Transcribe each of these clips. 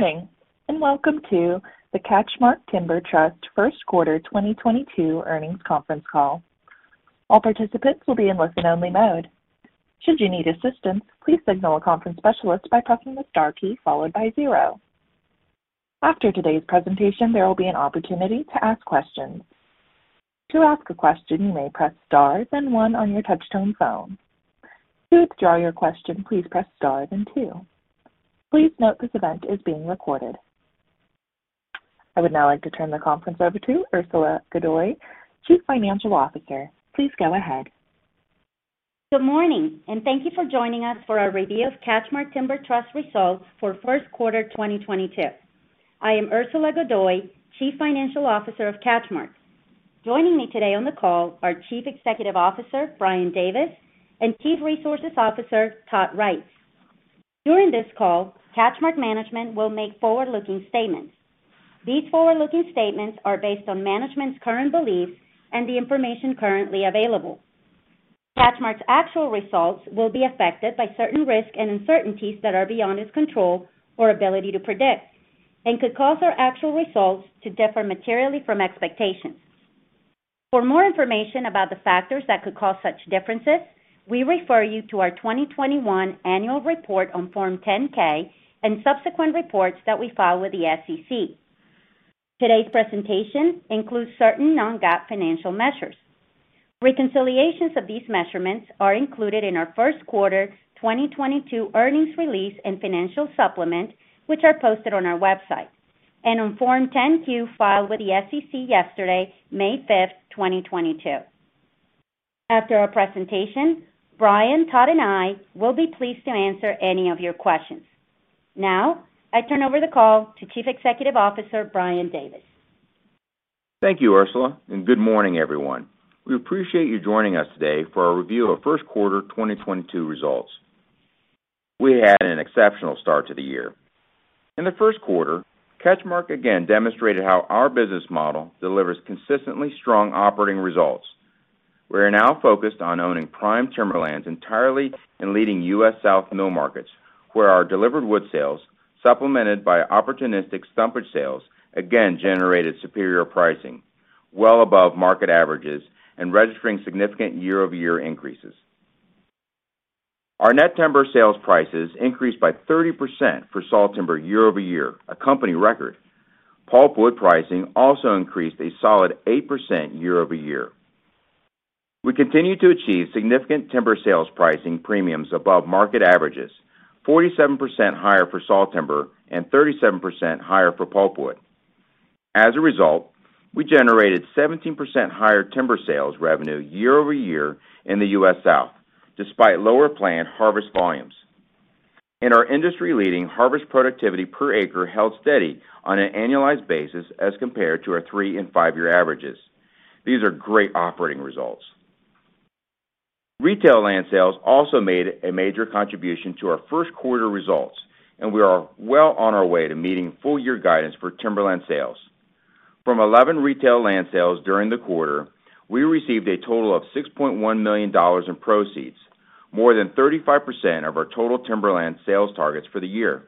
Good morning, and welcome to the CatchMark Timber Trust first quarter 2022 earnings conference call. All participants will be in listen-only mode. Should you need assistance, please signal a conference specialist by pressing the star key followed by zero. After today's presentation, there will be an opportunity to ask questions. To ask a question, you may press star then one on your touch-tone phone. To withdraw your question, please press star then two. Please note this event is being recorded. I would now like to turn the conference over to Ursula Godoy-Arbelaez, Chief Financial Officer. Please go ahead. Good morning, and thank you for joining us for our review of CatchMark Timber Trust results for first quarter 2022. I am Ursula Godoy-Arbelaez, Chief Financial Officer of CatchMark. Joining me today on the call are Chief Executive Officer Brian Davis, and Chief Resources Officer Todd Reitz. During this call, CatchMark management will make forward-looking statements. These forward-looking statements are based on management's current beliefs and the information currently available. CatchMark's actual results will be affected by certain risks and uncertainties that are beyond its control or ability to predict and could cause our actual results to differ materially from expectations. For more information about the factors that could cause such differences, we refer you to our 2021 annual report on Form 10-K and subsequent reports that we file with the SEC. Today's presentation includes certain non-GAAP financial measures. Reconciliations of these measurements are included in our first quarter 2022 earnings release and financial supplement, which are posted on our website, and on Form 10-Q filed with the SEC yesterday, May 5th, 2022. After our presentation, Brian, Todd, and I will be pleased to answer any of your questions. Now, I turn over the call to Chief Executive Officer, Brian Davis. Thank you, Ursula, and good morning, everyone. We appreciate you joining us today for our review of first quarter 2022 results. We had an exceptional start to the year. In the first quarter, CatchMark again demonstrated how our business model delivers consistently strong operating results. We're now focused on owning prime timberlands entirely in leading U.S. South mill markets, where our delivered wood sales, supplemented by opportunistic stumpage sales, again generated superior pricing well above market averages and registering significant year-over-year increases. Our net timber sales prices increased by 30% for sawtimber year-over-year, a company record. Pulpwood pricing also increased a solid 8% year-over-year. We continue to achieve significant timber sales pricing premiums above market averages, 47% higher for sawtimber and 37% higher for pulpwood. As a result, we generated 17% higher timber sales revenue year-over-year in the U.S. South, despite lower plant harvest volumes. Our industry-leading harvest productivity per acre held steady on an annualized basis as compared to our three-year and five-year averages. These are great operating results. Retail land sales also made a major contribution to our first quarter results, and we are well on our way to meeting full-year guidance for timberland sales. From 11 retail land sales during the quarter, we received a total of $6.1 million in proceeds, more than 35% of our total timberland sales targets for the year.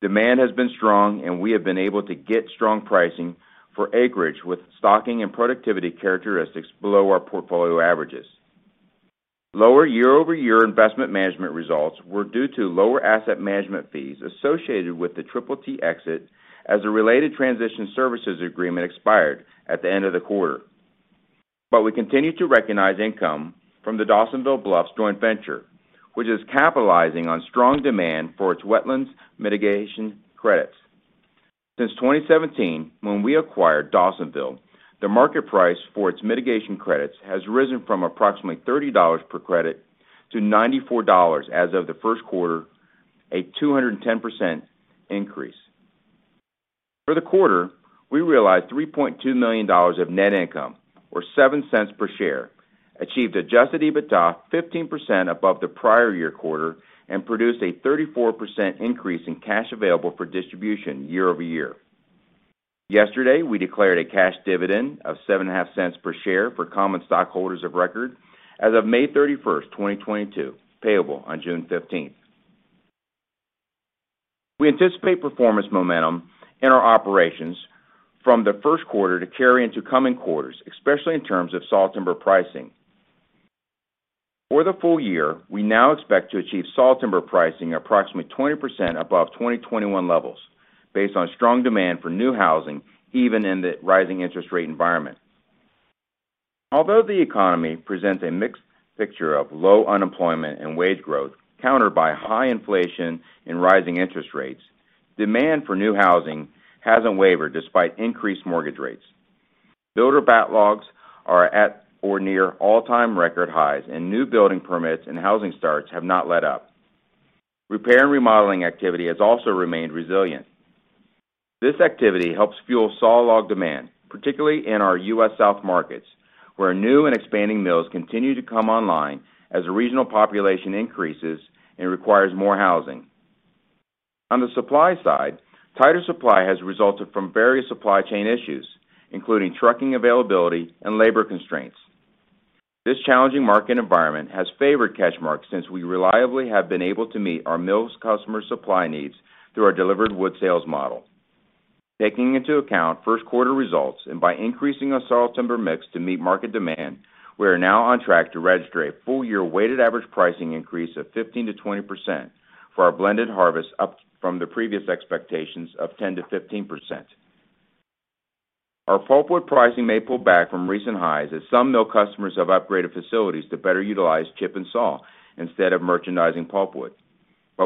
Demand has been strong, and we have been able to get strong pricing for acreage with stocking and productivity characteristics below our portfolio averages. Lower year-over-year investment management results were due to lower asset management fees associated with the Triple T exit as a related transition services agreement expired at the end of the quarter. We continue to recognize income from the Dawsonville Bluffs joint venture, which is capitalizing on strong demand for its wetlands mitigation credits. Since 2017, when we acquired Dawsonville, the market price for its mitigation credits has risen from approximately $30 per credit to $94 as of the first quarter, a 210% increase. For the quarter, we realized $3.2 million of net income, or $0.07 per share, achieved adjusted EBITDA 15% above the prior year quarter and produced a 34% increase in Cash Available for Distribution year-over-year. Yesterday, we declared a cash dividend of $0.075 per share for common stockholders of record as of May 31st, 2022, payable on June 15. We anticipate performance momentum in our operations from the first quarter to carry into coming quarters, especially in terms of sawtimber pricing. For the full year, we now expect to achieve sawtimber pricing approximately 20% above 2021 levels based on strong demand for new housing, even in the rising interest rate environment. Although the economy presents a mixed picture of low unemployment and wage growth countered by high inflation and rising interest rates, demand for new housing hasn't wavered despite increased mortgage rates. Builder backlogs are at or near all-time record highs and new building permits and housing starts have not let up. Repair and remodeling activity has also remained resilient. This activity helps fuel sawlog demand, particularly in our U.S. South markets, where new and expanding mills continue to come online as the regional population increases and requires more housing. On the supply side, tighter supply has resulted from various supply chain issues, including trucking availability and labor constraints. This challenging market environment has favored CatchMark since we reliably have been able to meet our mills' customer supply needs through our delivered wood sales model. Taking into account first quarter results and by increasing our sawtimber mix to meet market demand, we are now on track to register a full-year weighted average pricing increase of 15%-20% for our blended harvest, up from the previous expectations of 10%-15%. Our pulpwood pricing may pull back from recent highs as some mill customers have upgraded facilities to better utilize chip-n-saw instead of merchandising pulpwood.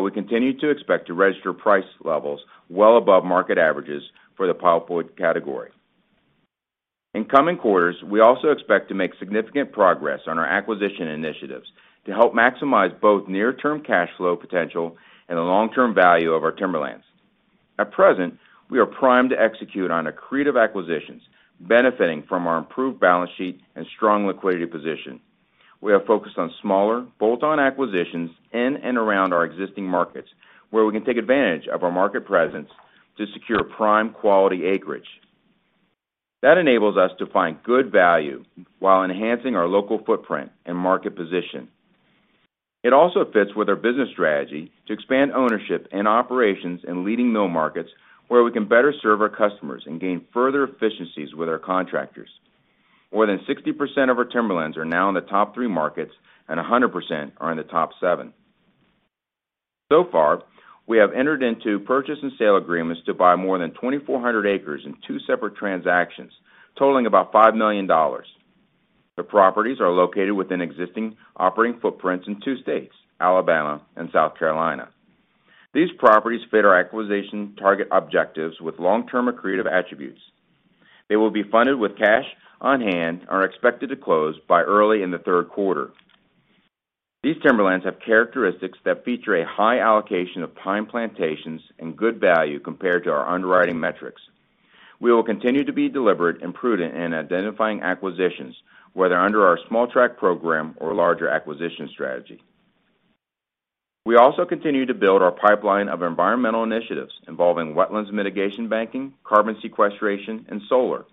We continue to expect to register price levels well above market averages for the pulpwood category. In coming quarters, we also expect to make significant progress on our acquisition initiatives to help maximize both near-term cash flow potential and the long-term value of our timberlands. At present, we are primed to execute on accretive acquisitions, benefiting from our improved balance sheet and strong liquidity position. We are focused on smaller bolt-on acquisitions in and around our existing markets, where we can take advantage of our market presence to secure prime quality acreage. That enables us to find good value while enhancing our local footprint and market position. It also fits with our business strategy to expand ownership and operations in leading mill markets where we can better serve our customers and gain further efficiencies with our contractors. More than 60% of our timberlands are now in the top three markets, and 100% are in the top seven. So far, we have entered into purchase and sale agreements to buy more than 2,400 acres in two separate transactions, totaling about $5 million. The properties are located within existing operating footprints in two states, Alabama and South Carolina. These properties fit our acquisition target objectives with long-term accretive attributes. They will be funded with cash on-hand and are expected to close by early in the third quarter. These timberlands have characteristics that feature a high allocation of pine plantations and good value compared to our underwriting metrics. We will continue to be deliberate and prudent in identifying acquisitions, whether under our small tract program or larger acquisition strategy. We also continue to build our pipeline of environmental initiatives involving wetland mitigation banking, carbon sequestration, and solar.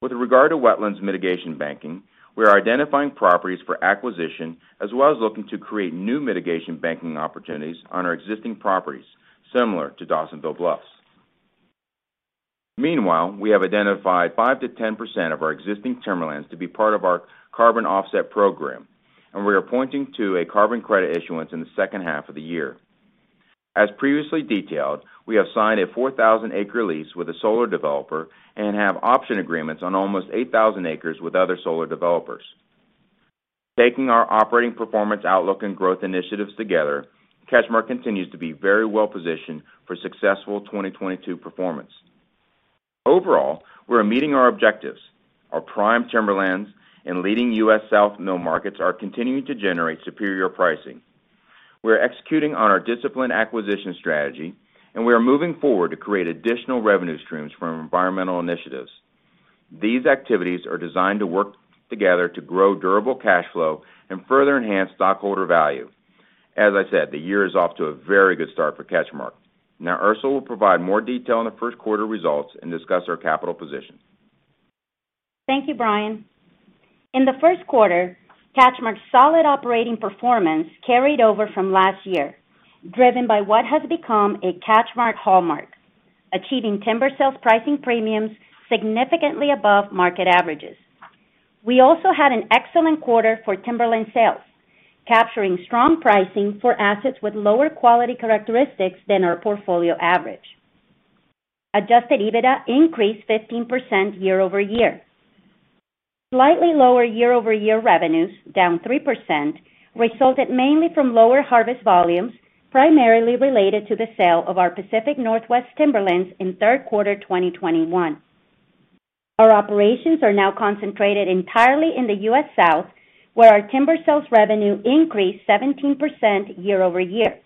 With regard to wetland mitigation banking, we are identifying properties for acquisition as well as looking to create new mitigation banking opportunities on our existing properties, similar to Dawsonville Bluffs. Meanwhile, we have identified 5%-10% of our existing timberlands to be part of our carbon offset program, and we are pointing to a carbon credit issuance in the second half of the year. As previously detailed, we have signed a 4,000-acre lease with a solar developer and have option agreements on almost 8,000 acres with other solar developers. Taking our operating performance outlook and growth initiatives together, CatchMark continues to be very well positioned for successful 2022 performance. Overall, we're meeting our objectives. Our prime timberlands and leading U.S. South mill markets are continuing to generate superior pricing. We're executing on our disciplined acquisition strategy, and we are moving forward to create additional revenue streams from environmental initiatives. These activities are designed to work together to grow durable cash flow and further enhance stockholder value. As I said, the year is off to a very good start for CatchMark. Now, Ursula will provide more detail on the first quarter results and discuss our capital position. Thank you, Brian. In the first quarter, CatchMark's solid operating performance carried over from last year, driven by what has become a CatchMark hallmark, achieving timber sales pricing premiums significantly above market averages. We also had an excellent quarter for timberland sales, capturing strong pricing for assets with lower quality characteristics than our portfolio average. Adjusted EBITDA increased 15% year-over-year. Slightly lower year-over-year revenues, down 3%, resulted mainly from lower harvest volumes, primarily related to the sale of our Pacific Northwest Timberlands in third quarter 2021. Our operations are now concentrated entirely in the U.S. South, where our timber sales revenue increased 17% year-over-year.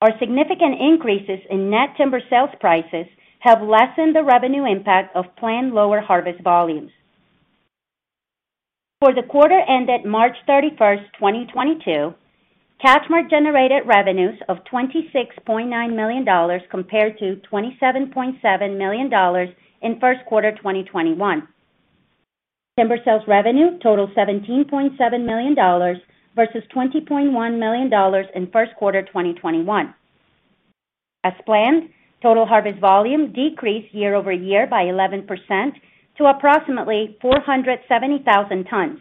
Our significant increases in net timber sales prices have lessened the revenue impact of planned lower harvest volumes. For the quarter ended March 31st, 2022, CatchMark generated revenues of $26.9 million compared to $27.7 million in first quarter 2021. Timber sales revenue totaled $17.7 million versus $20.1 million in first quarter 2021. As planned, total harvest volume decreased year-over-year by 11% to approximately 470,000 tons.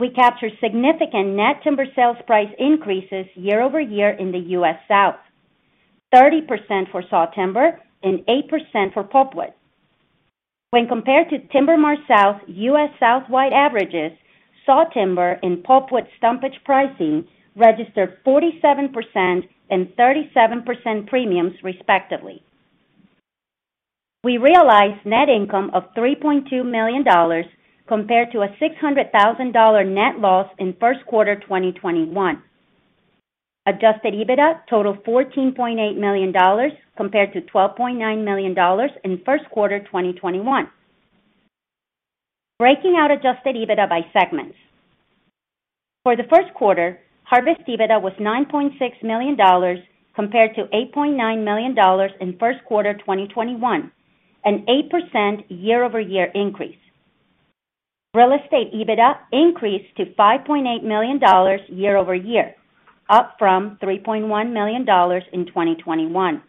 We captured significant net timber sales price increases year-over-year in the U.S. South, 30% for sawtimber and 8% for pulpwood. When compared to TimberMart-South's U.S. South-wide averages, sawtimber and pulpwood stumpage pricing registered 47% and 37% premiums respectively. We realized net income of $3.2 million compared to a $600,000 net loss in first quarter 2021. Adjusted EBITDA totaled $14.8 million compared to $12.9 million in first quarter 2021. Breaking out adjusted EBITDA by segments. For the first quarter, Harvest EBITDA was $9.6 million compared to $8.9 million in first quarter 2021, an 8% year-over-year increase. Real Estate EBITDA increased to $5.8 million year-over-year, up from $3.1 million in 2021.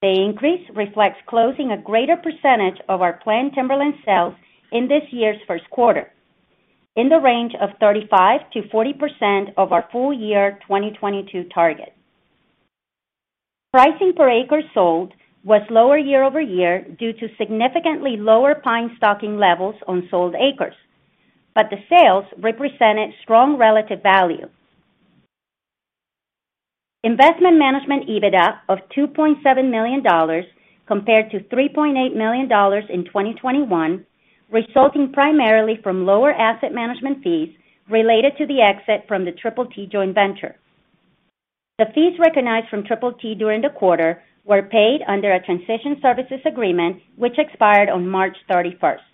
The increase reflects closing a greater percentage of our planned timberland sales in this year's first quarter in the range of 35%-40% of our full-year 2022 target. Pricing per acre sold was lower year-over-year due to significantly lower pine stocking levels on sold acres, but the sales represented strong relative value. Investment Management EBITDA of $2.7 million compared to $3.8 million in 2021, resulting primarily from lower asset management fees related to the exit from the Triple T joint venture. The fees recognized from Triple T during the quarter were paid under a transition services agreement which expired on March 31st.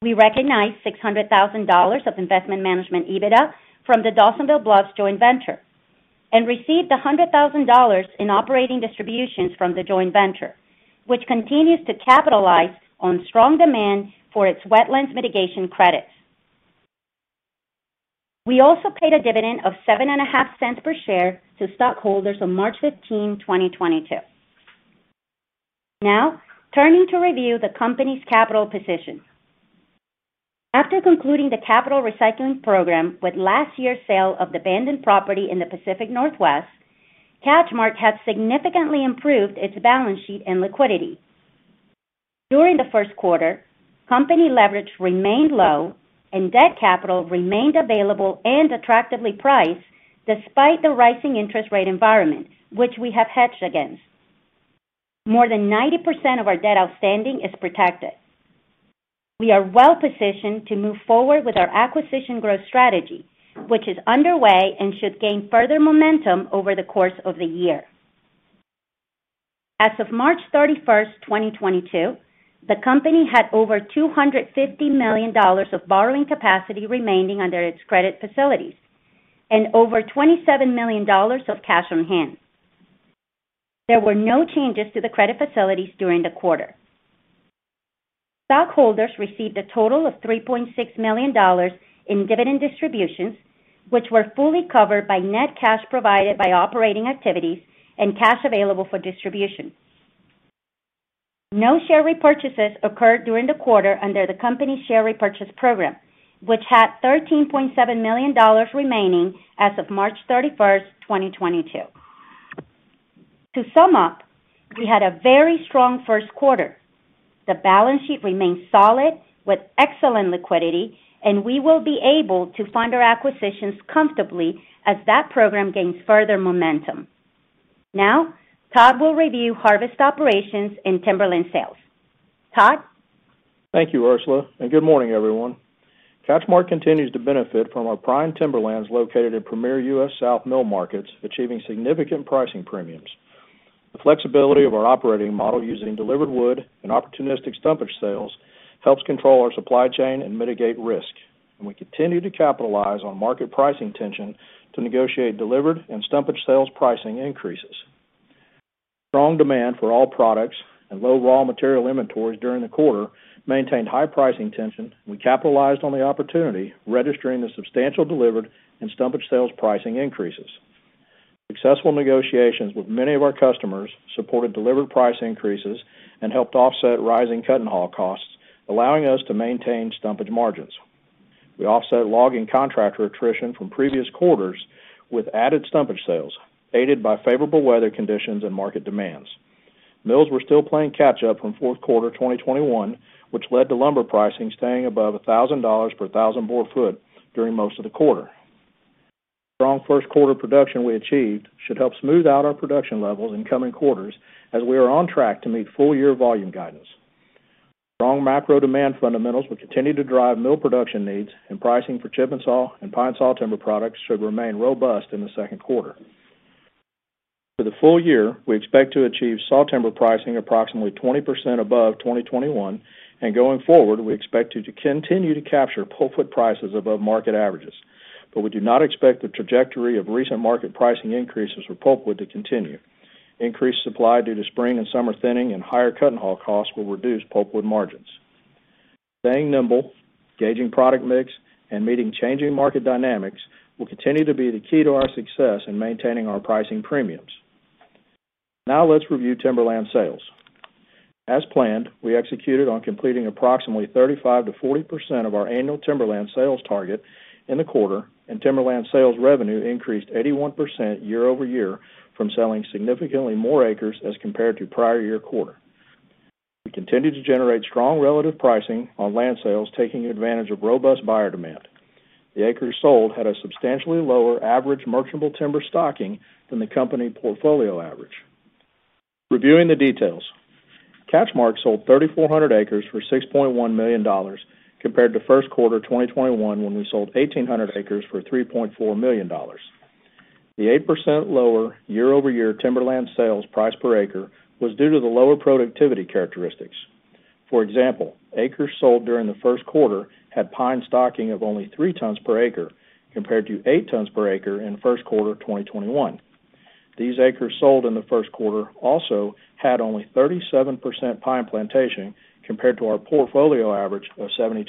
We recognized $600,000 of investment management EBITDA from the Dawsonville Bluffs joint venture and received $100,000 in operating distributions from the joint venture, which continues to capitalize on strong demand for its wetlands mitigation credits. We also paid a dividend of $0.075 per share to stockholders on March 15, 2022. Now, turning to review the company's capital position. After concluding the capital recycling program with last year's sale of the abandoned property in the Pacific Northwest, CatchMark has significantly improved its balance sheet and liquidity. During the first quarter, company leverage remained low and debt capital remained available and attractively priced despite the rising interest rate environment, which we have hedged against. More than 90% of our debt outstanding is protected. We are well-positioned to move forward with our acquisition growth strategy, which is underway and should gain further momentum over the course of the year. As of March 31st, 2022, the company had over $250 million of borrowing capacity remaining under its credit facilities and over $27 million of cash on hand. There were no changes to the credit facilities during the quarter. Stockholders received a total of $3.6 million in dividend distributions, which were fully covered by net cash provided by operating activities and Cash Available for Distribution. No share repurchases occurred during the quarter under the company's share repurchase program, which had $13.7 million remaining as of March 31st, 2022. To sum up, we had a very strong first quarter. The balance sheet remains solid with excellent liquidity, and we will be able to fund our acquisitions comfortably as that program gains further momentum. Now, Todd will review harvest operations and timberland sales. Todd? Thank you, Ursula, and good morning, everyone. CatchMark continues to benefit from our prime timberlands located in premier U.S. South mill markets, achieving significant pricing premiums. The flexibility of our operating model using delivered wood and opportunistic stumpage sales helps control our supply chain and mitigate risk, and we continue to capitalize on market pricing tension to negotiate delivered and stumpage sales pricing increases. Strong demand for all products and low raw material inventories during the quarter maintained high pricing tension. We capitalized on the opportunity, registering the substantial delivered and stumpage sales pricing increases. Successful negotiations with many of our customers supported delivered price increases and helped offset rising cut-and-haul costs, allowing us to maintain stumpage margins. We offset logging contractor attrition from previous quarters with added stumpage sales, aided by favorable weather conditions and market demands. Mills were still playing catch up from fourth quarter 2021, which led to lumber pricing staying above $1,000 per 1,000 board foot during most of the quarter. Strong first quarter production we achieved should help smooth out our production levels in coming quarters as we are on track to meet full year volume guidance. Strong macro demand fundamentals will continue to drive mill production needs and pricing for chip-n-saw and pine sawtimber products should remain robust in the second quarter. For the full year, we expect to achieve sawtimber pricing approximately 20% above 2021, and going forward, we expect to continue to capture pulpwood prices above market averages. We do not expect the trajectory of recent market pricing increases for pulpwood to continue. Increased supply due to spring and summer thinning and higher cut-and-haul costs will reduce pulpwood margins. Staying nimble, gauging product mix, and meeting changing market dynamics will continue to be the key to our success in maintaining our pricing premiums. Now let's review timberland sales. As planned, we executed on completing approximately 35%-40% of our annual timberland sales target in the quarter, and timberland sales revenue increased 81% year-over-year from selling significantly more acres as compared to prior year quarter. We continued to generate strong relative pricing on land sales taking advantage of robust buyer demand. The acres sold had a substantially lower average merchantable timber stocking than the company portfolio average. Reviewing the details. CatchMark sold 3,400 acres for $6.1 million compared to first quarter 2021, when we sold 1,800 acres for $3.4 million. The 8% lower year-over-year timberland sales price per acre was due to the lower productivity characteristics. For example, acres sold during the first quarter had pine stocking of only 3 tons per acre compared to 8 tons per acre in first quarter 2021. These acres sold in the first quarter also had only 37% pine plantation compared to our portfolio average of 72%.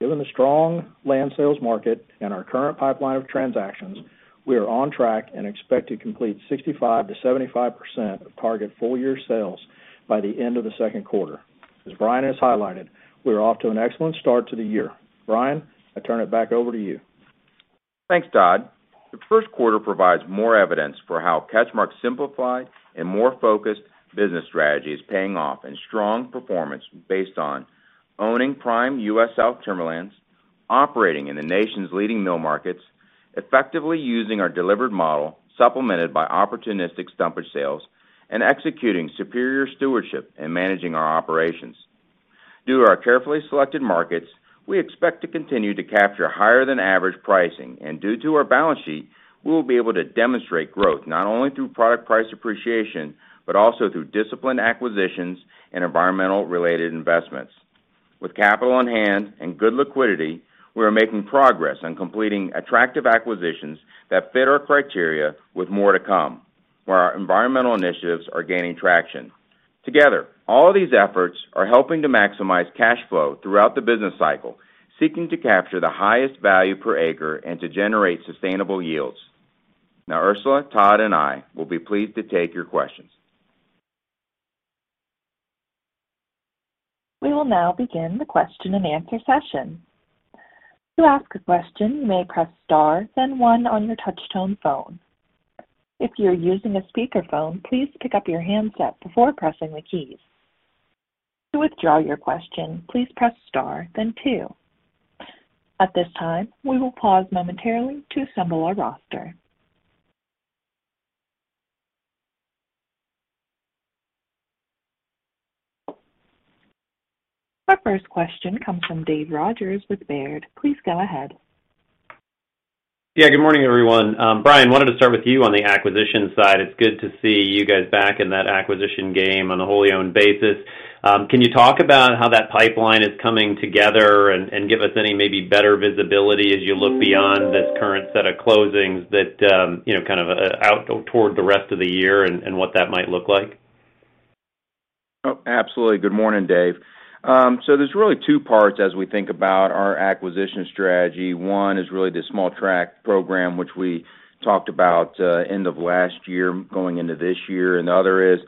Given the strong land sales market and our current pipeline of transactions, we are on track and expect to complete 65%-75% of target full year sales by the end of the second quarter. As Brian has highlighted, we're off to an excellent start to the year. Brian, I turn it back over to you. Thanks, Todd. The first quarter provides more evidence for how CatchMark's simplified and more focused business strategy is paying off in strong performance based on owning prime U.S. South timberlands, operating in the nation's leading mill markets, effectively using our delivered model supplemented by opportunistic stumpage sales, and executing superior stewardship in managing our operations. Due to our carefully selected markets, we expect to continue to capture higher than average pricing. Due to our balance sheet, we'll be able to demonstrate growth not only through product price appreciation, but also through disciplined acquisitions and environmental-related investments. With capital on hand and good liquidity, we are making progress on completing attractive acquisitions that fit our criteria with more to come, where our environmental initiatives are gaining traction. Together, all these efforts are helping to maximize cash flow throughout the business cycle, seeking to capture the highest value per acre and to generate sustainable yields. Now, Ursula, Todd, and I will be pleased to take your questions. We will now begin the question-and-answer session. To ask a question, you may press star then one on your touch tone phone. If you're using a speakerphone, please pick up your handset before pressing the keys. To withdraw your question, please press star then two. At this time, we will pause momentarily to assemble our roster. Our first question comes from Dave Rodgers with Baird. Please go ahead. Yeah, good morning, everyone. Brian, wanted to start with you on the acquisition side. It's good to see you guys back in that acquisition game on a wholly-owned basis. Can you talk about how that pipeline is coming together and give us any maybe better visibility as you look beyond this current set of closings that, you know, kind of, out toward the rest of the year and what that might look like? Oh, absolutely. Good morning, Dave. There's really two parts as we think about our acquisition strategy. One is really the small tract program, which we talked about end of last year going into this year. Another is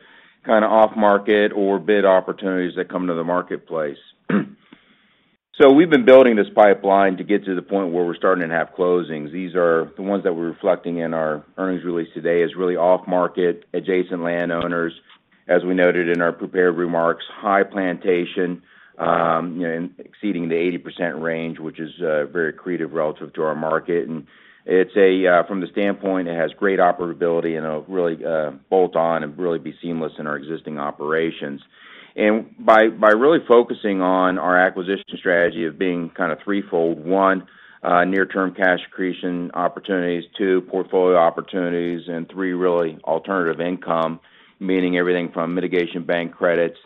kinda off market or bid opportunities that come to the marketplace. We've been building this pipeline to get to the point where we're starting to have closings. These are the ones that we're reflecting in our earnings release today, is really off market adjacent landowners. As we noted in our prepared remarks, high plantation you know exceeding the 80% range, which is very accretive relative to our market. It's a from the standpoint, it has great operability and really bolt-on and really be seamless in our existing operations. By really focusing on our acquisition strategy of being kind of threefold: one, near term cash accretion opportunities. Two, portfolio opportunities. Three, really alternative income, meaning everything from mitigation bank credits,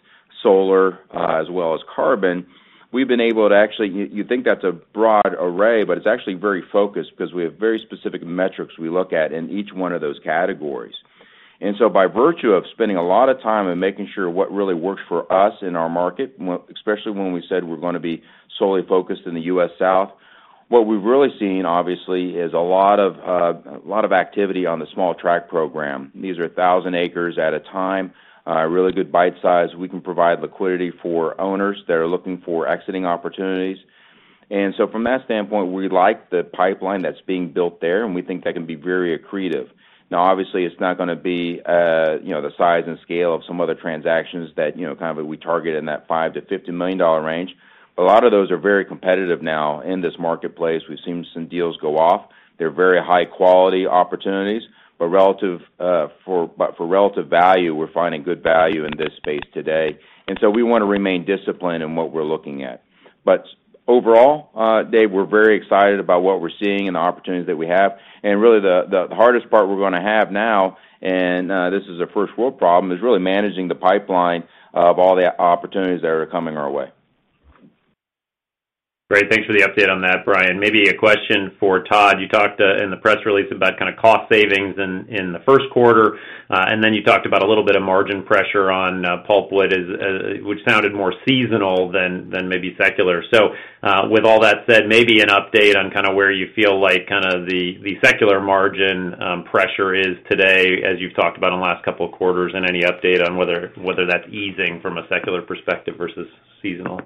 solar, as well as carbon. We've been able to actually. You think that's a broad array, but it's actually very focused because we have very specific metrics we look at in each one of those categories. By virtue of spending a lot of time in making sure what really works for us in our market, when especially when we said we're gonna be solely focused in the U.S. South, what we've really seen, obviously, is a lot of activity on the small tract program. These are 1,000 acres at a time, really good bite size. We can provide liquidity for owners that are looking for exit opportunities. From that standpoint, we like the pipeline that's being built there, and we think that can be very accretive. Now obviously, it's not gonna be, you know, the size and scale of some other transactions that, you know, kind of we target in that $5-$50 million range, but a lot of those are very competitive now in this marketplace. We've seen some deals go off. They're very high quality opportunities, but for relative value, we're finding good value in this space today. We wanna remain disciplined in what we're looking at. Overall, Dave, we're very excited about what we're seeing and the opportunities that we have. Really the hardest part we're gonna have now, and this is a first world problem, is really managing the pipeline of all the opportunities that are coming our way. Great. Thanks for the update on that, Brian. Maybe a question for Todd. You talked in the press release about kinda cost savings in the first quarter, and then you talked about a little bit of margin pressure on pulpwood, which sounded more seasonal than maybe secular. With all that said, maybe an update on kinda where you feel like kinda the secular margin pressure is today as you've talked about in the last couple of quarters, and any update on whether that's easing from a secular perspective versus seasonal.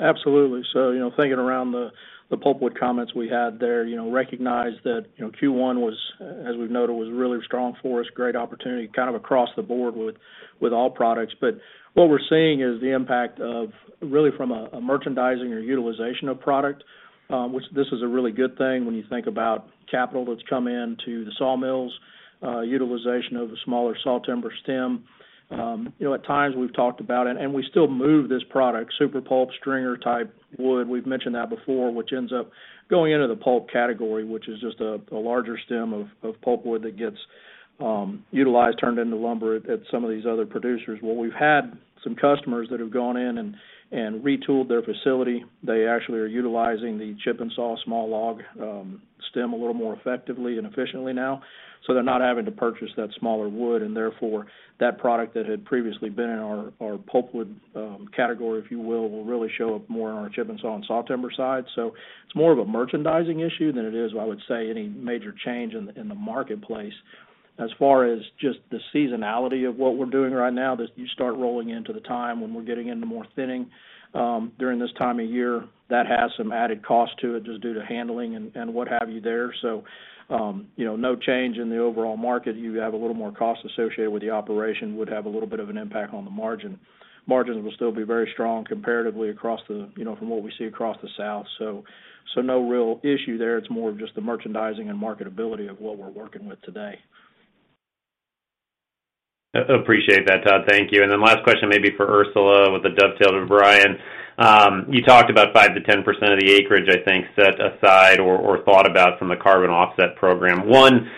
Absolutely. You know, thinking around the pulpwood comments we had there, you know, recognize that, you know, Q1 was, as we've noted, really strong for us, great opportunity kind of across the board with all products. What we're seeing is the impact of really from a merchandising or utilization of product, which this is a really good thing when you think about capital that's come into the sawmills. Utilization of the smaller sawtimber stem. You know, at times we've talked about it, and we still move this product, super pulp/stringer type wood, we've mentioned that before, which ends up going into the pulp category, which is just a larger stem of pulpwood that gets utilized, turned into lumber at some of these other producers. What we've had some customers that have gone in and retooled their facility. They actually are utilizing the chip-n-saw small log stem a little more effectively and efficiently now. They're not having to purchase that smaller wood, and therefore, that product that had previously been in our pulpwood category, if you will really show up more on our chip-n-saw and sawtimber side. It's more of a merchandising issue than it is, I would say, any major change in the marketplace. As far as just the seasonality of what we're doing right now, you start rolling into the time when we're getting into more thinning during this time of year. That has some added cost to it just due to handling and what have you there. You know, no change in the overall market. You have a little more cost associated with the operation, would have a little bit of an impact on the margin. Margins will still be very strong comparatively across the, you know, from what we see across the South. No real issue there. It's more of just the merchandising and marketability of what we're working with today. Appreciate that, Todd. Thank you. Then last question maybe for Ursula with a dovetail to Brian. You talked about 5%-10% of the acreage, I think, set aside or thought about from the carbon offset program. One,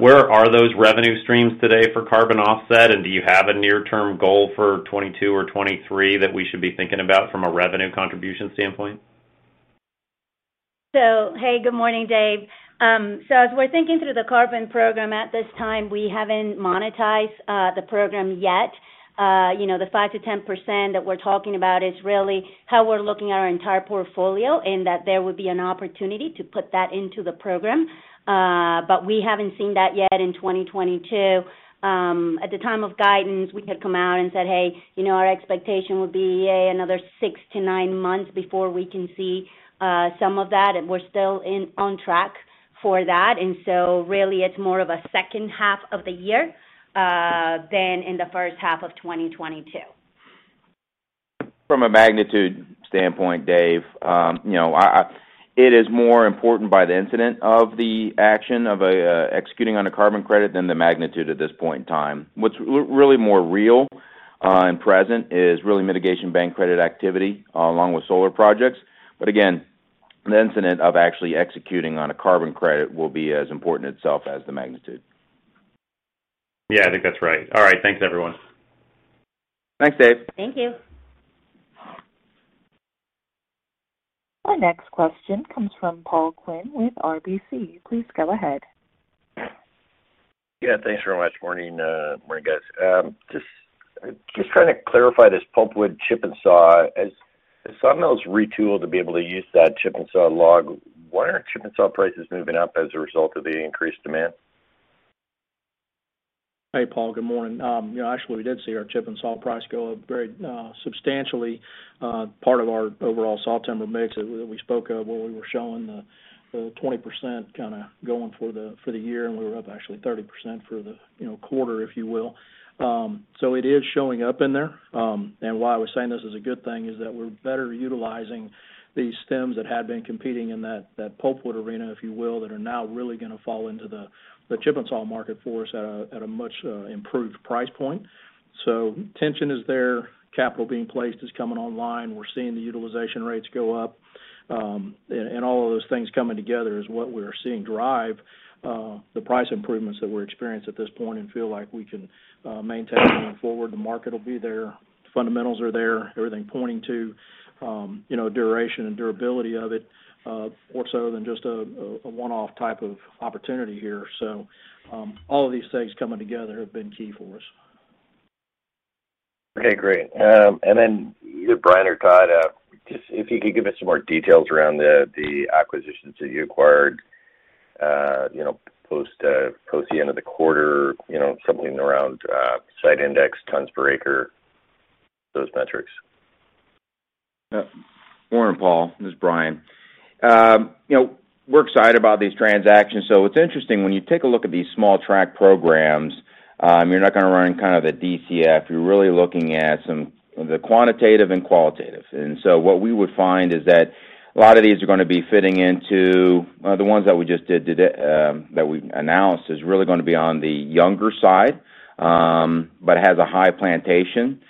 where are those revenue streams today for carbon offset, and do you have a near-term goal for 2022 or 2023 that we should be thinking about from a revenue contribution standpoint? Hey, good morning, Dave. As we're thinking through the carbon program at this time, we haven't monetized the program yet. You know, the 5%-10% that we're talking about is really how we're looking at our entire portfolio, in that there would be an opportunity to put that into the program. But we haven't seen that yet in 2022. At the time of guidance, we had come out and said, hey, you know, our expectation would be, yeah, another six-nine months before we can see some of that, and we're still on track for that. Really, it's more of a second half of the year than in the first half of 2022. From a magnitude standpoint, Dave, you know, it is more important by the incidence of the action of executing on a carbon credit than the magnitude at this point in time. What's really more real and present is really mitigation banking credit activity along with solar projects. Again, the incidence of actually executing on a carbon credit will be as important itself as the magnitude. Yeah, I think that's right. All right. Thanks, everyone. Thanks, Dave. Thank you. Our next question comes from Paul Quinn with RBC. Please go ahead. Yeah. Thanks very much. Morning, guys. Just trying to clarify this pulpwood chip-n-saw. As saw mills retool to be able to use that chip-n-saw log, why aren't chip-n-saw prices moving up as a result of the increased demand? Hey, Paul, good morning. You know, actually, we did see our chip-n-saw price go up very substantially, part of our overall sawtimber mix that we spoke of where we were showing the 20% kind of going for the year, and we were up actually 30% for the, you know, quarter, if you will. So it is showing up in there. And why we're saying this is a good thing is that we're better utilizing these stems that had been competing in that pulpwood arena, if you will, that are now really gonna fall into the chip-n-saw market for us at a much improved price point. Attention is there, capital being placed is coming online. We're seeing the utilization rates go up. All of those things coming together is what we are seeing driving the price improvements that we're experiencing at this point and feel like we can maintain going forward. The market will be there. Fundamentals are there. Everything pointing to you know duration and durability of it more so than just a one-off type of opportunity here. All of these things coming together have been key for us. Okay, great. Either Brian or Todd, just if you could give us some more details around the acquisitions that you acquired, you know, post the end of the quarter, you know, something around site index, tons per acre, those metrics. Yeah. Morning, Paul. This is Brian. You know, we're excited about these transactions. What's interesting, when you take a look at these small tract programs, you're not gonna run kind of a DCF. You're really looking at the quantitative and qualitative. What we would find is that a lot of these are gonna be fitting into the ones that we just did, that we announced, is really gonna be on the younger side, but has a high plantation.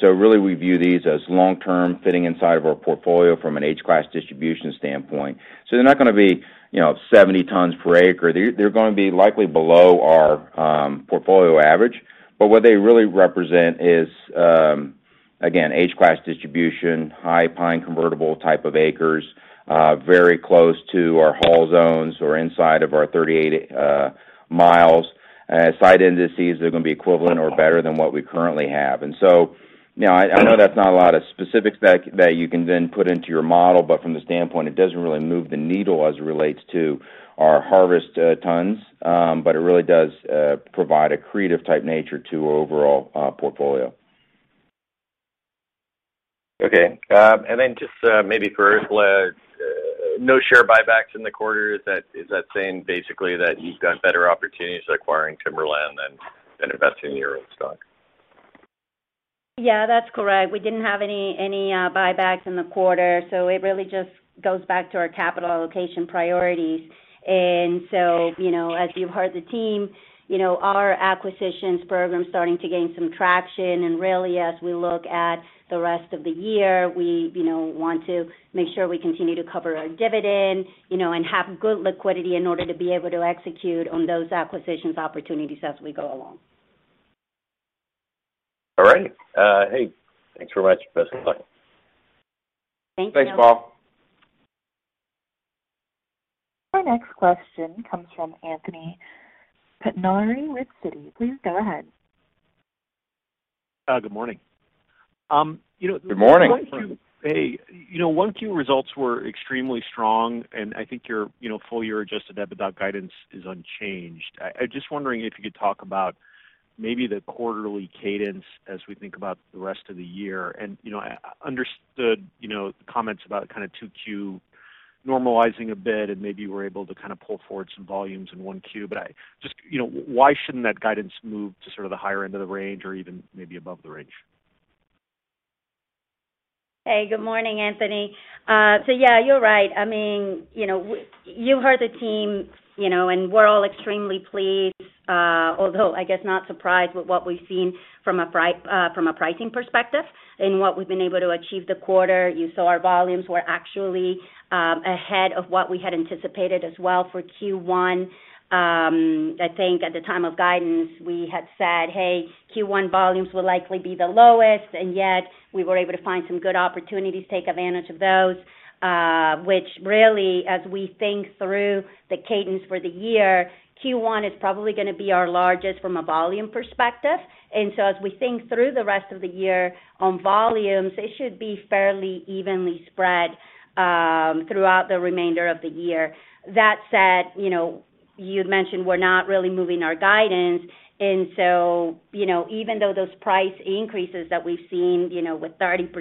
Really we view these as long-term fitting inside of our portfolio from an age class distribution standpoint. They're not gonna be, you know, 70 tons per acre. They're gonna be likely below our portfolio average. What they really represent is, again, age class distribution, high pine convertible type of acres, very close to our haul zones or inside of our 38 miles. Site indices, they're gonna be equivalent or better than what we currently have. You know, I know that's not a lot of specifics that you can then put into your model, but from the standpoint, it doesn't really move the needle as it relates to our harvest tons. It really does provide greater diversity to overall portfolio. Okay. Just, maybe for Ursula, no share buybacks in the quarter. Is that saying basically that you've got better opportunities acquiring timberland than investing in your own stock? Yeah, that's correct. We didn't have any buybacks in the quarter, so it really just goes back to our capital allocation priorities. You know, as you've heard the team, you know, our acquisitions program's starting to gain some traction. Really, as we look at the rest of the year, we, you know, want to make sure we continue to cover our dividend, you know, and have good liquidity in order to be able to execute on those acquisitions opportunities as we go along. All right. Hey, thanks very much. Appreciate the call. Thank you. Thanks, Paul. Our next question comes from Anthony Pettinari with Citi. Please go ahead. Good morning. Good morning. Hey, you know, 1Q results were extremely strong, and I think your, you know, full year adjusted EBITDA guidance is unchanged. I'm just wondering if you could talk about maybe the quarterly cadence as we think about the rest of the year. You know, understood, you know, the comments about kinda 2Q normalizing a bit, and maybe you were able to kinda pull forward some volumes in 1Q. I just... You know, why shouldn't that guidance move to sort of the higher end of the range or even maybe above the range? Hey, good morning, Anthony. So yeah, you're right. I mean, you know, you heard the team, you know, and we're all extremely pleased, although I guess not surprised with what we've seen from a pricing perspective and what we've been able to achieve in the quarter. You saw our volumes were actually ahead of what we had anticipated as well for Q1. I think at the time of guidance, we had said, "Hey, Q1 volumes will likely be the lowest." Yet we were able to find some good opportunities to take advantage of those, which really, as we think through the cadence for the year, Q1 is probably gonna be our largest from a volume perspective. As we think through the rest of the year on volumes, it should be fairly evenly spread throughout the remainder of the year. That said, you know, you'd mentioned we're not really moving our guidance. You know, even though those price increases that we've seen, you know, with 30%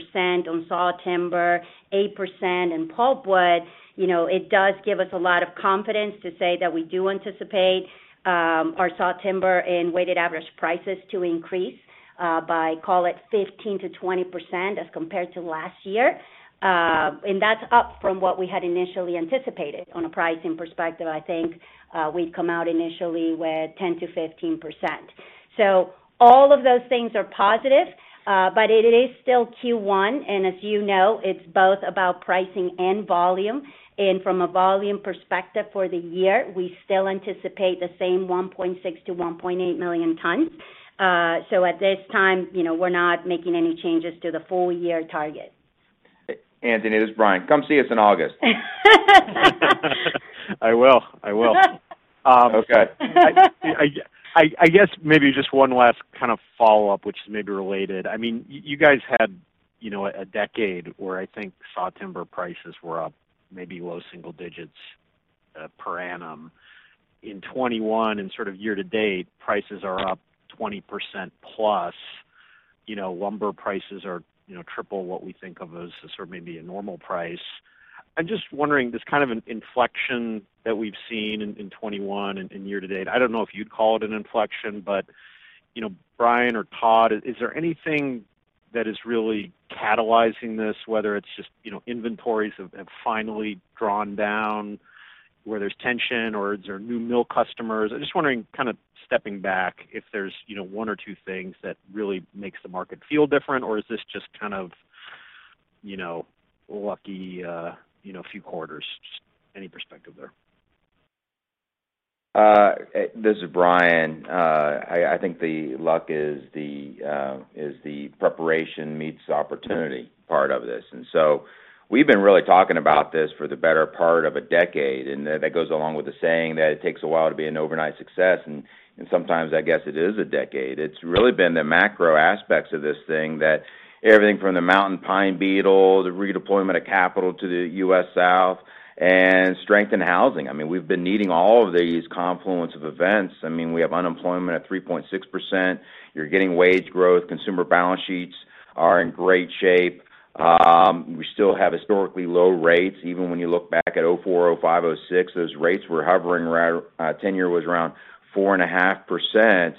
on sawtimber, 8% in pulpwood, you know, it does give us a lot of confidence to say that we do anticipate our sawtimber and weighted average prices to increase by, call it 15%-20% as compared to last year. And that's up from what we had initially anticipated on a pricing perspective. I think, we'd come out initially with 10%-15%. All of those things are positive, but it is still Q1, and as you know, it's both about pricing and volume. From a volume perspective for the year, we still anticipate the same 1.6-1.8 million tons. At this time, you know, we're not making any changes to the full year target. Anthony, this is Brian. Come see us in August. I will. Okay. I guess maybe just one last kind of follow-up, which is maybe related. I mean, you guys had, you know, a decade where I think sawtimber prices were up maybe low single digits, per annum. In 2021 and sort of year to date, prices are up 20%+. You know, lumber prices are, you know, triple what we think of as sort of maybe a normal price. I'm just wondering this kind of an inflection that we've seen in 2021 and year to date. I don't know if you'd call it an inflection, but, you know, Brian or Todd, is there anything that is really catalyzing this, whether it's just, you know, inventories have finally drawn down where there's tension, or is there new mill customers? I'm just wondering, kind of stepping back, if there's, you know, one or two things that really makes the market feel different, or is this just kind of, you know, lucky, you know, few quarters? Just any perspective there. This is Brian. I think the luck is the preparation meets opportunity part of this. We've been really talking about this for the better part of a decade, and that goes along with the saying that it takes a while to be an overnight success, and sometimes I guess it is a decade. It's really been the macro aspects of this thing that everything from the mountain pine beetle, the redeployment of capital to the U.S. South, and strength in housing. I mean, we've been needing all of these confluence of events. I mean, we have unemployment at 3.6%. You're getting wage growth. Consumer balance sheets are in great shape. We still have historically low rates. Even when you look back at 2004, 2005, 2006, those rates were hovering around, ten-year was around 4.5%.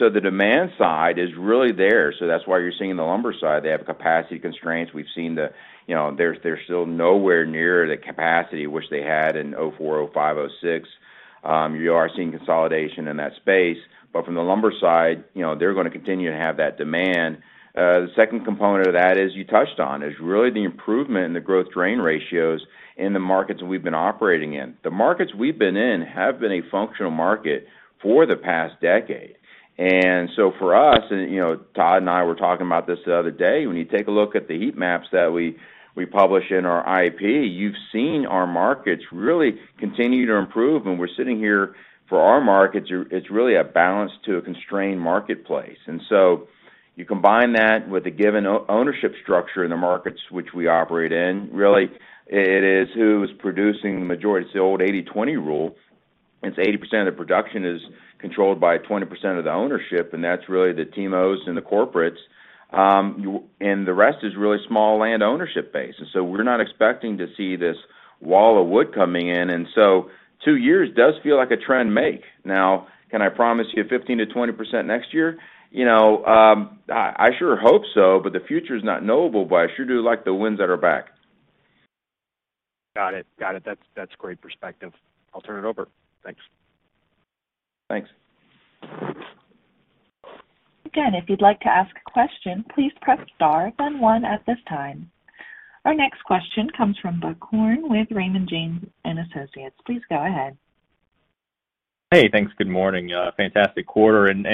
The demand side is really there, so that's why you're seeing the lumber side, they have capacity constraints. We've seen, they're still nowhere near the capacity which they had in 2004, 2005, 2006. You are seeing consolidation in that space. From the lumber side, they're gonna continue to have that demand. The second component of that, as you touched on, is really the improvement in the growth-to-drain ratios in the markets we've been operating in. The markets we've been in have been a functioning market for the past decade. For us, you know, Todd and I were talking about this the other day, when you take a look at the heat maps that we publish in our IEP, you've seen our markets really continue to improve. We're sitting here in our markets, it's really a balance to a constrained marketplace. You combine that with the given ownership structure in the markets which we operate in, really it is who's producing the majority. It's the old 80/20 rule. It's 80% of production is controlled by 20% of the ownership, and that's really the TIMOs and the corporates, and the rest is really small land ownership base. We're not expecting to see this wall of wood coming in, and two years does feel like a trend make. Now, can I promise you 15%-20% next year? You know, I sure hope so, but the future's not knowable. I sure do like the winds at our back. Got it. That's great perspective. I'll turn it over. Thanks. Thanks. Again, if you'd like to ask a question, please press star then one at this time. Our next question comes from Buck Horne with Raymond James & Associates. Please go ahead. Hey, thanks. Good morning. Fantastic quarter and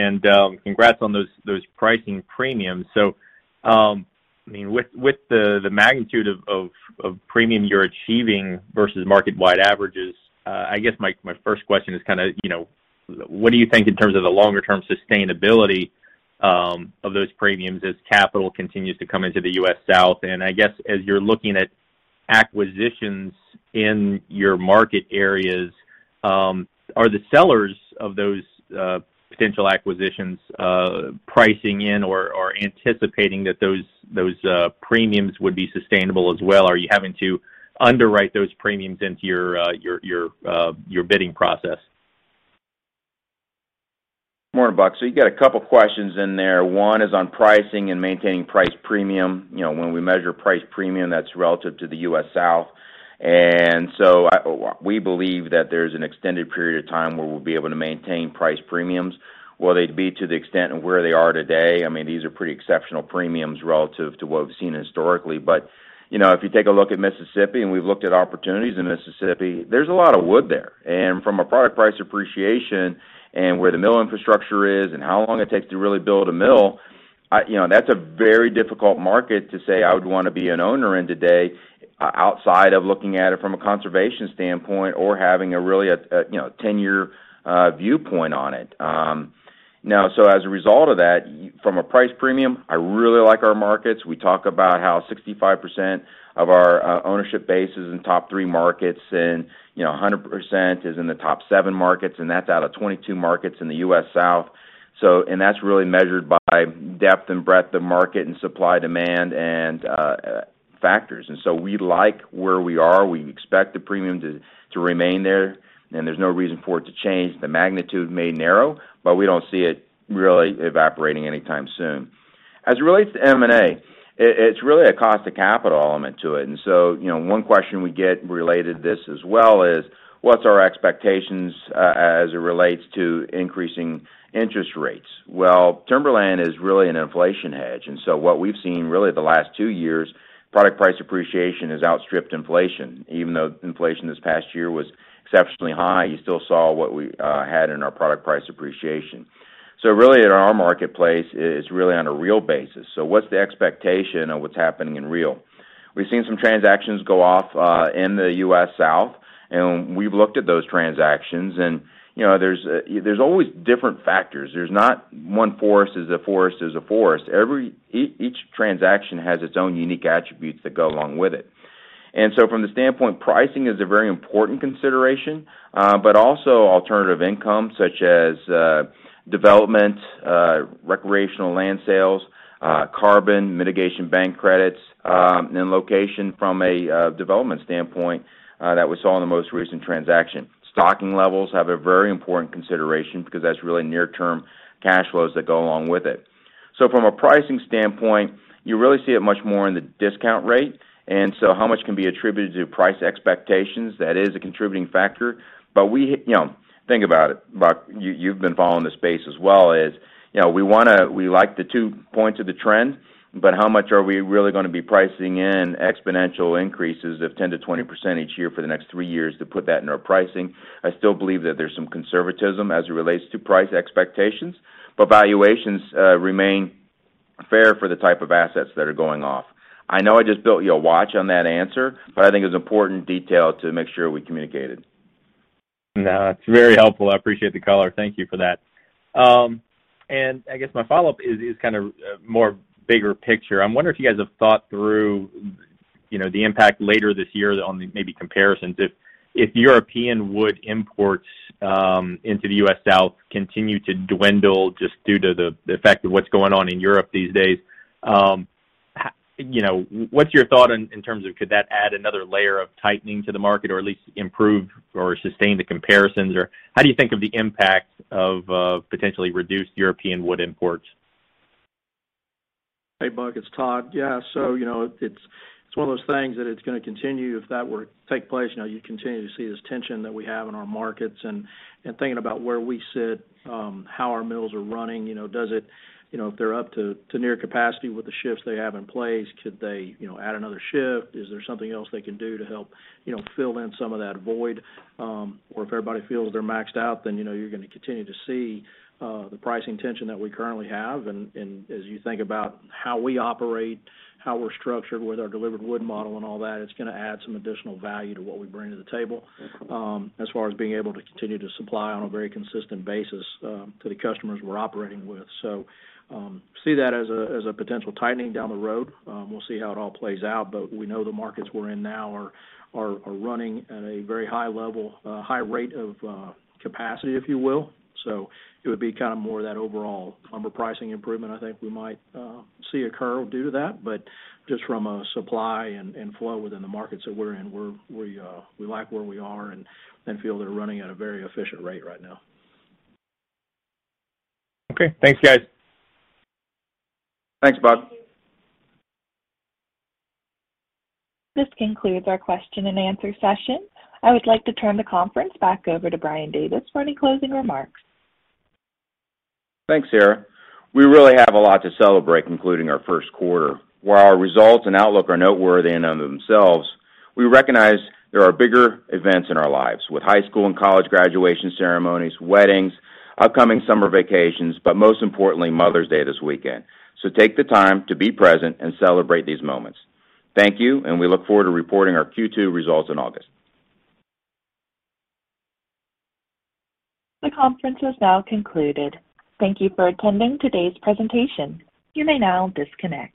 congrats on those pricing premiums. I mean, with the magnitude of premium you're achieving versus market-wide averages, I guess my first question is kinda, you know, what do you think in terms of the longer term sustainability of those premiums as capital continues to come into the U.S. South? I guess, as you're looking at acquisitions in your market areas, are the sellers of those potential acquisitions pricing in or anticipating that those premiums would be sustainable as well? Are you having to underwrite those premiums into your bidding process? Morning, Buck. You got a couple questions in there. One is on pricing and maintaining price premium. You know, when we measure price premium, that's relative to the U.S. South. We believe that there's an extended period of time where we'll be able to maintain price premiums, whether it be to the extent of where they are today. I mean, these are pretty exceptional premiums relative to what we've seen historically. You know, if you take a look at Mississippi, and we've looked at opportunities in Mississippi, there's a lot of wood there. From a product price appreciation and where the mill infrastructure is and how long it takes to really build a mill, I you know that's a very difficult market to say I would wanna be an owner in today outside of looking at it from a conservation standpoint or having a really you know 10-year viewpoint on it. Now as a result of that, from a price premium, I really like our markets. We talk about how 65% of our ownership base is in top three markets and you know 100% is in the top seven markets, and that's out of 22 markets in the U.S. South. That's really measured by depth and breadth of market and supply-demand and factors. We like where we are. We expect the premium to remain there, and there's no reason for it to change. The magnitude may narrow, but we don't see it really evaporating anytime soon. As it relates to M&A, it's really a cost of capital element to it. You know, one question we get related to this as well is what's our expectations as it relates to increasing interest rates? Well, timberland is really an inflation hedge, and so what we've seen really the last two years, product price appreciation has outstripped inflation. Even though inflation this past year was exceptionally high, you still saw what we had in our product price appreciation. Really at our marketplace, it's really on a real basis. What's the expectation of what's happening in real? We've seen some transactions go off in the U.S. South, and we've looked at those transactions and, you know, there's always different factors. There's not one forest is a forest. Each transaction has its own unique attributes that go along with it. From the standpoint, pricing is a very important consideration, but also alternative income such as development, recreational land sales, carbon mitigation bank credits, and location from a development standpoint that we saw in the most recent transaction. Stocking levels have a very important consideration because that's really near-term cash flows that go along with it. From a pricing standpoint, you really see it much more in the discount rate, and how much can be attributed to price expectations, that is a contributing factor. But we, you know, think about it, Buck. You've been following the space as well. It's, you know, we like the two points of the trend, but how much are we really gonna be pricing in exponential increases of 10%-20% here for the next three years to put that in our pricing? I still believe that there's some conservatism as it relates to price expectations, but valuations remain fair for the type of assets that are going off. I know I just threw a lot at you on that answer, but I think it's an important detail to make sure we communicated. No, it's very helpful. I appreciate the color. Thank you for that. I guess my follow-up is kind of more bigger picture. I'm wondering if you guys have thought through, you know, the impact later this year on the maybe comparisons if European wood imports into the U.S. South continue to dwindle just due to the effect of what's going on in Europe these days. You know, what's your thought in terms of could that add another layer of tightening to the market or at least improve or sustain the comparisons? Or how do you think of the impact of potentially reduced European wood imports? Hey, Buck, it's Todd. Yeah. You know, it's one of those things that it's gonna continue. If that were to take place, you know, you continue to see this tension that we have in our markets and thinking about where we sit, how our mills are running, you know, does it, you know, if they're up to near capacity with the shifts they have in place, could they, you know, add another shift? Is there something else they can do to help, you know, fill in some of that void? Or if everybody feels they're maxed out, then, you know, you're gonna continue to see the pricing tension that we currently have. As you think about how we operate, how we're structured with our delivered wood model and all that, it's gonna add some additional value to what we bring to the table, as far as being able to continue to supply on a very consistent basis, to the customers we're operating with. See that as a potential tightening down the road. We'll see how it all plays out, but we know the markets we're in now are running at a very high level, high rate of capacity, if you will. It would be kind of more of that overall lumber pricing improvement I think we might see occur due to that. Just from a supply and flow within the markets that we're in, we like where we are and feel they're running at a very efficient rate right now. Okay. Thanks, guys. Thanks, Buck. This concludes our question and answer session. I would like to turn the conference back over to Brian Davis for any closing remarks. Thanks, Sarah. We really have a lot to celebrate including our first quarter. While our results and outlook are noteworthy in and of themselves, we recognize there are bigger events in our lives, with high school and college graduation ceremonies, weddings, upcoming summer vacations, but most importantly, Mother's Day this weekend. Take the time to be present and celebrate these moments. Thank you, and we look forward to reporting our Q2 results in August. The conference has now concluded. Thank you for attending today's presentation. You may now disconnect.